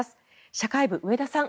社会部、上田さん